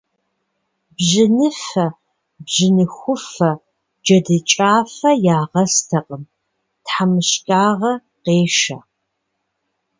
Бжьыныфэ, бжьыныхуфэ, джэдыкӏафэ ягъэстэкъым, тхьэмыщкӏагъэ къешэ.